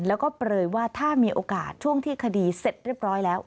แล้วก็เปลยว่าถ้ามีโอกาสช่วงที่คดีเสร็จเรียบร้อยแล้ว